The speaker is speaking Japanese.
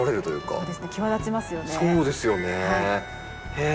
そうですね。